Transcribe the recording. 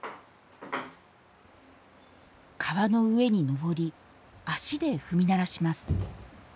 革の上に上り足で踏み鳴らします。